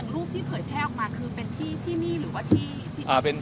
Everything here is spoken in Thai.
รูปที่เผยแพร่ออกมาคือเป็นที่ที่นี่หรือว่าที่